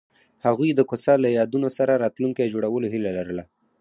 هغوی د کوڅه له یادونو سره راتلونکی جوړولو هیله لرله.